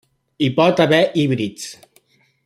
Hi pot haver híbrids.